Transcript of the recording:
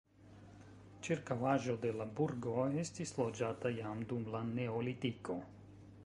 Ĉirkaŭaĵo de la burgo estis loĝata jam dum la neolitiko.